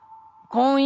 婚姻！？